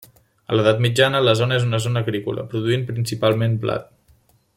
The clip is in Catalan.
A l'Edat Mitjana, la zona és una zona agrícola, produint principalment blat.